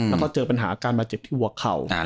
แล้วก็เจอปัญหาการบาดเจ็บที่หัวเข่า